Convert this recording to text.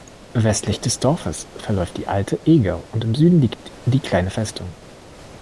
Westlich des Dorfes verläuft die Alte Eger und im Süden liegt die Kleine Festung.